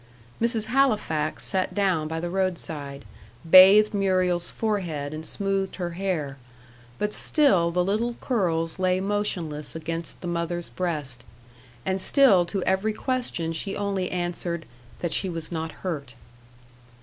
Mrs. Halifax sat down by the roadside, bathed Muriel's forehead and smoothed her hair; but still the little curls lay motionless against the mother's breast, and still to every question she only answered "that she was not hurt."